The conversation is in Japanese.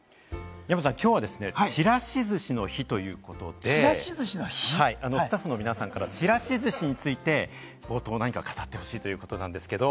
山ちゃん、きょうはですね、ちらし寿司の日ということで、スタッフの皆さんからちらし寿司について、冒頭、何か語ってほしいということなんですけれども。